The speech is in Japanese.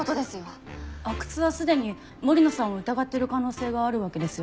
阿久津はすでに森野さんを疑ってる可能性があるわけですよね？